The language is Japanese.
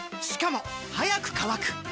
しかも速く乾く！